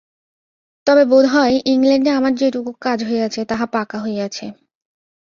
তবে বোধ হয়, ইংলণ্ডে আমার যেটুকু কাজ হইয়াছে, তাহা পাকা হইয়াছে।